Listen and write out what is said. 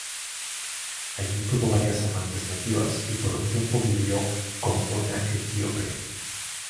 Allí tuvo varias amantes nativas y por un tiempo vivió con una etíope.